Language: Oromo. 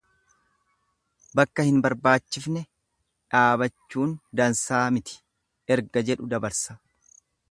Bakka hin barbaachisne dhaabachuun dansaa miti erga jedhu dabarsa.